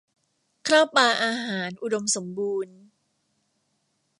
ข้าวปลาอาหาร อุดมสมบูรณ์